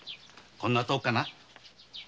こんなとこかな。